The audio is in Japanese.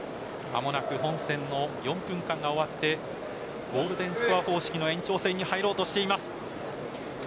間もなく本戦の４分間が終わってゴールデンスコア方式の延長戦に入ろうとしています。